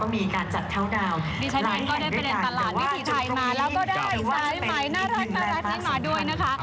มีใช้งานก็ได้เป็นประหลาดวิถีไทยมาแล้วก็ได้สายไหมน่ารักนี่มาด้วยนะคะ